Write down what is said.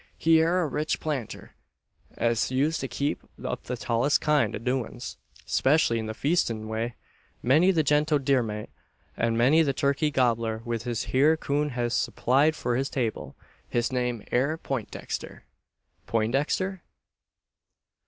He air a rich planter, as used to keep up the tallest kind o' doin's, 'specially in the feestin' way. Many's the jeint o' deermeat, and many's the turkey gobbler this hyur coon hes surplied for his table. His name air Peintdexter." "Poindexter?"